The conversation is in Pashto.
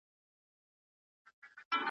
روښانه فکر بریالیتوب نه خرابوي.